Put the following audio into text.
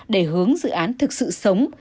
để hướng dự án thực sự sống